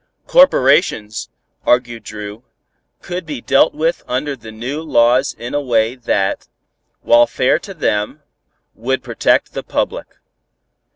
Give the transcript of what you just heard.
Corporations, argued Dru, could be dealt with under the new laws in a way that, while fair to them, would protect the public.